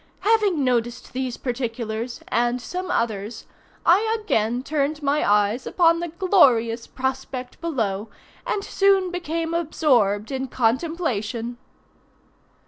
Having noticed these particulars, and some others, I again turned my eyes upon the glorious prospect below, and soon became absorbed in contemplation.